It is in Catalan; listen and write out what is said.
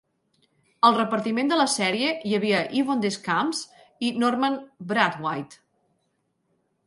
Al repartiment de la sèrie hi havia Yvon Deschamps i Normand Brathwaite.